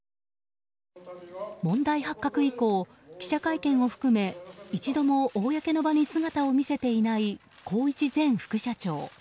問題発覚以降、記者会見を含め一度も公の場に姿を見せていない宏一前副社長。